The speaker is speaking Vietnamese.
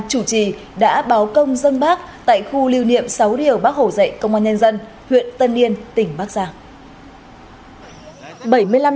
chủ trì đã báo công dân bác tại khu lưu niệm sáu điều bác hồ dạy công an nhân dân huyện tân yên tỉnh bắc giang